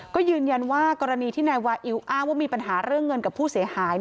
ก็ยืนยันว่ากรณีที่นายวาอิวอ้างว่ามีปัญหาเรื่องเงินกับผู้เสียหาย